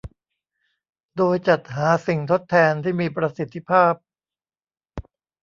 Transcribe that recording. โดยจัดหาสิ่งทดแทนที่มีประสิทธิภาพ